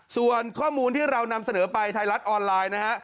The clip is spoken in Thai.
ส่วนข้อมูลที่เรานำเสนอไปไทยรัฐออนไลน์นะฮะ